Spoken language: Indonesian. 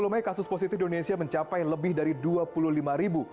dua puluh mei kasus positif di indonesia mencapai lebih dari dua puluh lima ribu